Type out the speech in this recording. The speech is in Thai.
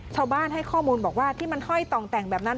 ชาวบ้านให้ข้อมูลบอกว่าที่มันห้อยต่องแต่งแบบนั้น